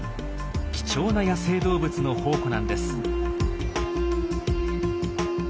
貴重な野生動物の宝庫なんです。